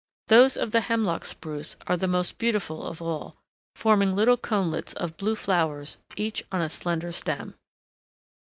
Those of the Hemlock Spruce are the most beautiful of all, forming little conelets of blue flowers, each on a slender stem.